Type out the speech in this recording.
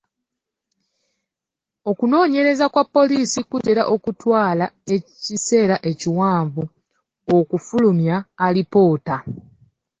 Okunoonyereza kwa poliisi kutera okutwala ekisera ekiwanvu okufulumya alipoota.